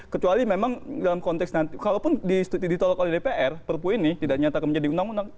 kecuali memang dalam konteks nanti kalaupun ditolak oleh dpr perpu ini tidak nyatakan menjadi undang undang